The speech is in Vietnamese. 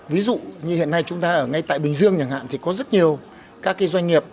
ví dụ như hiện nay chúng ta ở ngay tại bình dương chẳng hạn thì có rất nhiều các doanh nghiệp